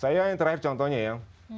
saya yang terakhir contohnya ya